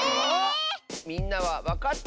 みんなはわかった？